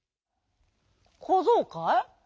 「こぞうかい？